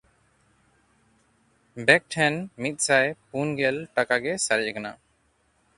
ᱵᱮᱠ ᱴᱷᱮᱱ ᱢᱤᱫᱥᱟᱭ ᱯᱩᱱ ᱜᱮᱞ ᱴᱟᱠᱟ ᱜᱮ ᱥᱟᱨᱮᱡ ᱠᱟᱱᱟ᱾